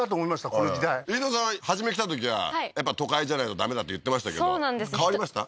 この時代飯豊さん初め来たときはやっぱ都会じゃないとダメだって言ってましたけど変わりました？